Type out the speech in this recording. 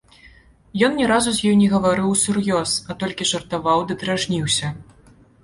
Ён ні разу з ёй не гаварыў усур'ёз, а толькі жартаваў ды дражніўся.